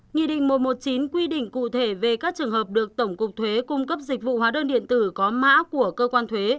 nghị định một trăm một mươi chín quy định cụ thể về các trường hợp được tổng cục thuế cung cấp dịch vụ hóa đơn điện tử có mã của cơ quan thuế